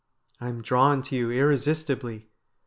I am drawn to you irresistibly.